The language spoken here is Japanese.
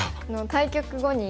対局後に。